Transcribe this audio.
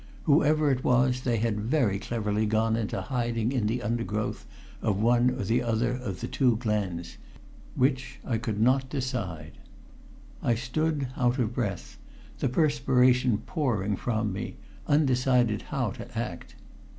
Whoever it was they had very cleverly gone into hiding in the undergrowth of one or other of the two glens which I could not decide. I stood out of breath, the perspiration pouring from me, undecided how to act.